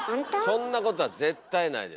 そんなことは絶対ないです。